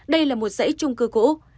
đây là một dãy trung cư cũ